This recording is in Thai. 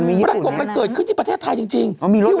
แล้วก็เกิดนิไทยจริง